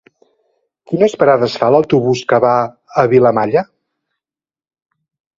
Quines parades fa l'autobús que va a Vilamalla?